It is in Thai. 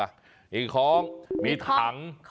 มีคล้องมีถัง